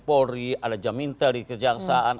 polri ada jam intel di kejangsaan